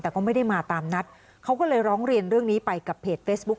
แต่ก็ไม่ได้มาตามนัดเขาก็เลยร้องเรียนเรื่องนี้ไปกับเพจเฟซบุ๊ค